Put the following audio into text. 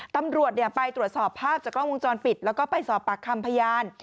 ตำรวจไปตรวจสอบภาพจากกล้องวงจรปิดแล้วก็ไปสอบปากคำพยาน